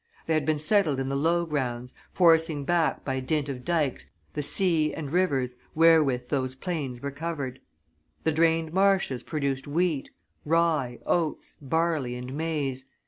They had been settled in the low grounds, forcing back, by dint of dikes, the sea and rivers wherewith those plains were covered. The drained marshes produced wheat, rye, oats, barley, and maize.